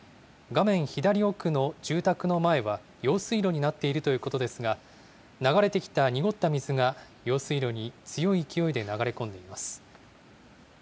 画面左奥の住宅の前は、用水路になっているということですが、流れてきた濁った水が、用水路に強い勢いで流れ込んでいます。